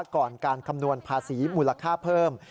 ก่อนการคำนวณภาษีมูลค่าเพิ่ม